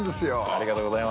ありがとうございます。